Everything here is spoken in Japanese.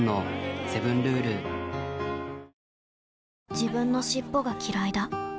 自分の尻尾がきらいだ